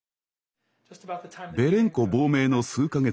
ベレンコ亡命の数か月